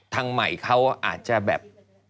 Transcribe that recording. ทางใหม่เขาอาจจะแบบ